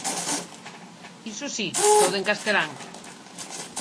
Iso si, todo en castelán.